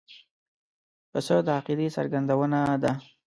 پسه د عقیدې څرګندونه ده.